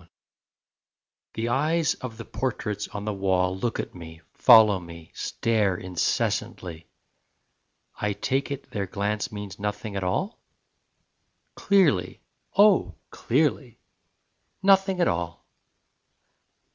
PANIC The eyes of the portraits on the wall Look at me, follow me, Stare incessantly: I take it their glance means nothing at all? Clearly, oh clearly! Nothing at all